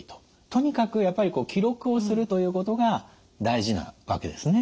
とにかくやっぱり記録をするということが大事なわけですね。